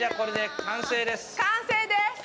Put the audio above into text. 完成です！